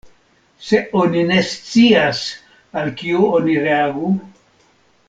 Se oni ne scias al kio oni reagu?